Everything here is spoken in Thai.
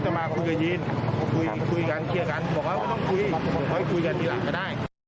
บอกว่าเขาต้องคุยคุยกันดีกว่า